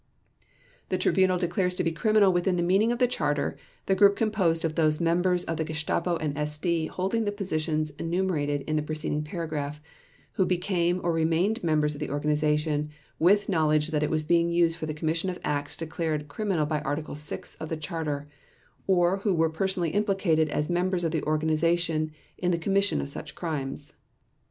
The Tribunal declares to be criminal within the meaning of the Charter the group composed of those members of the Gestapo and SD holding the positions enumerated in the preceding paragraph who became or remained members of the organization with knowledge that it was being used for the commission of acts declared criminal by Article 6 of the Charter, or who were personally implicated as members of the organization in the commission of such crimes.